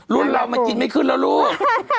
รุ่นเรามากินไม่ขึ้นแล้วลูก